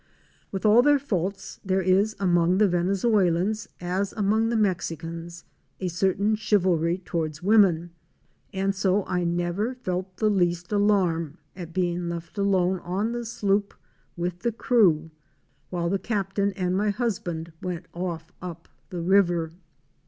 With all their faults, there is among the Venezuelans, as among the Mexicans, a certain chivalry toward women; and so I never felt the least alarm at being left alone on the sloop with the crew, while the Captain and my husband went off up the river.